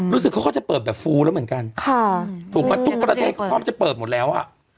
รู้สึกเขาก็จะเปิดแบบฟูแล้วเหมือนกันค่ะถูกไหมทุกประเทศก็พร้อมจะเปิดหมดแล้วอ่ะ